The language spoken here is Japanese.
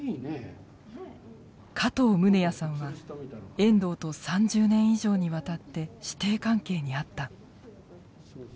加藤宗哉さんは遠藤と３０年以上にわたって師弟関係にあった。